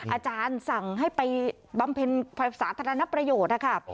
อาจารย์สั่งให้ไปบำเพ็ญสาธารณประโยชน์นะคะ